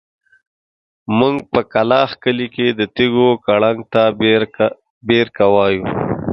موږ په کلاخ کلي کې د تيږو کړنګ ته بېرکه وايو.